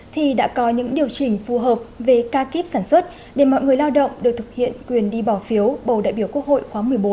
thì đã có những điều chỉnh phù hợp về ca kíp sản xuất để mọi người lao động được thực hiện quyền đi bỏ phiếu bầu đại biểu quốc hội khóa một mươi bốn